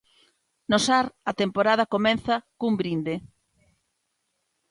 No Sar a temporada comeza cun brinde.